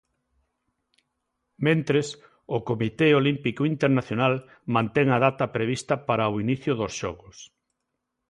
Mentres, o Comité Olímpico Internacional mantén a data prevista para o inicio dos Xogos.